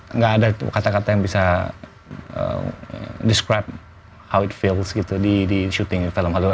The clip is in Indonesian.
enggak ada kata kata yang bisa describe how it feels gitu di shooting film holly